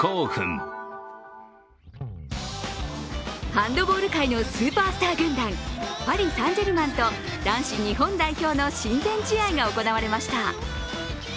ハンドボール界のスーパースター軍団パリ・サン＝ジェルマンと男子日本代表の親善試合が行われました。